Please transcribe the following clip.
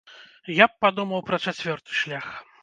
Я б падумаў пра чацвёрты шлях.